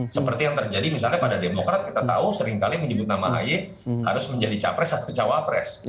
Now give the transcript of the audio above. seperti yang terjadi misalnya pada demokrat kita tahu seringkali menyebut nama ahy harus menjadi capres atau cawapres